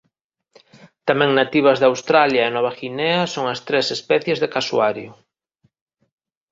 Tamén nativas de Australia e Nova Guinea son as tres especies de casuario.